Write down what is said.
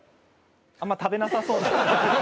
あんま食べなさそうな。